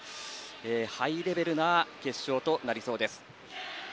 ハイレベルな決勝となりそうです。